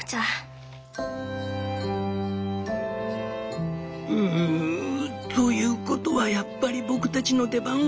「ウウウウということはやっぱり僕たちの出番はなし。